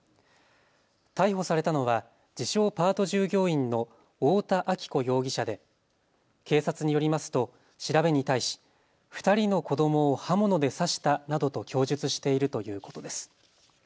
逮捕されたのは自称、パート従業員の太田亜紀子容疑者で警察によりますと調べに対し２人の子どもを刃物で刺したなどと供述しているということです。